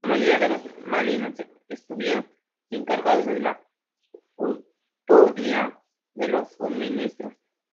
La mayoría de los marines estuvieron encargados de la custodia de los suministros.